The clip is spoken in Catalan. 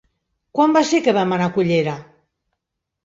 Quan va ser que vam anar a Cullera?